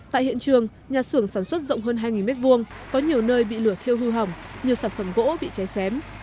tại hiện trường nhà xưởng sản xuất rộng hơn hai m hai có nhiều nơi bị lửa thiêu hư hỏng nhiều sản phẩm gỗ bị cháy xém